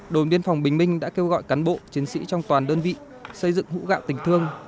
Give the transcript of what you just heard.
đồn biên phòng bình minh đã kêu gọi cán bộ chiến sĩ trong toàn đơn vị xây dựng hũ gạo tình thương